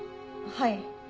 はい。